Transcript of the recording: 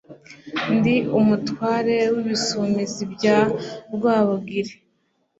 ndi umutware w'ibisumizi bya rwabugiri